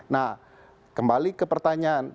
nah kembali ke pertanyaan